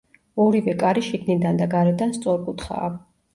ორივე კარი შიგნიდან და გარედან სწორკუთხაა.